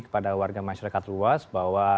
kepada warga masyarakat luas bahwa